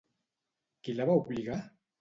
Qui la va obligar?